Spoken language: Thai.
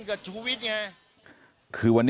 แล้วถ้าคุณชุวิตไม่ออกมาเป็นเรื่องกลุ่มมาเฟียร์จีน